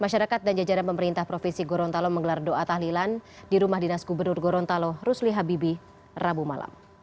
masyarakat dan jajaran pemerintah provinsi gorontalo menggelar doa tahlilan di rumah dinas gubernur gorontalo rusli habibi rabu malam